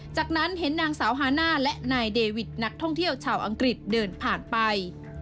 จากนั้นเห็นนางสาวฮาน่าและนายเดวิทนักท่องเที่ยวชาวอังกฤษเดินผ่านไป